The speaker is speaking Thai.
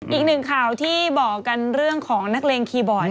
อีกหนึ่งข่าวที่บอกกันเรื่องของนักเลงคีย์บอร์ด